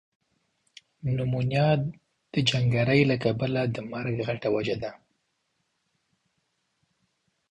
نمونیا ده جنګری له کبله ده مرګ غټه وجه ده۔